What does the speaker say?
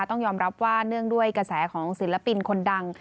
ต้องยอมรับว่าเนื่องด้วยกระแสของศิลปินคนดัง